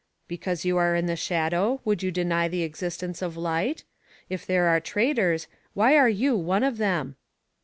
"Because you are in the shadow, would you deny the existence of light? If there are traitors, why are you one of them?"